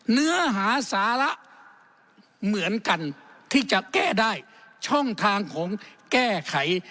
เนื้อหาสาระเหมือนกันที่จะแก้ได้ช่องทางของแก้ไข